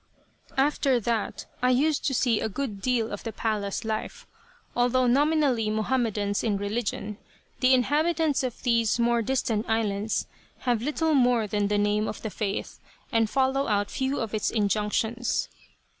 After that I used to see a good deal of the palace life. Although nominally Mohammedans in religion, the inhabitants of these more distant islands have little more than the name of the faith, and follow out few of its injunctions.